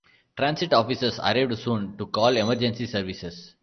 Transit officers arrived soon to call emergency services.